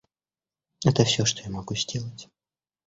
Это всё, что я могу сделать.